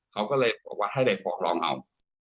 เขาก็เลยบอกว่าให้เด็กฟ้องร้องเอา